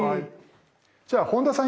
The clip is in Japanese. じゃあ本田さん